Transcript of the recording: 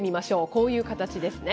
こういう形ですね。